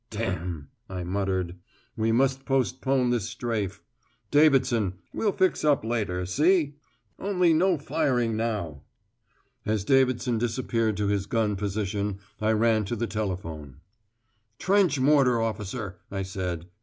"D ," I muttered. "We must postpone this strafe. Davidson, we'll fix up later, see? Only no firing now." As Davidson disappeared to his gun position, I ran to the telephone. "Trench mortar officer," I said.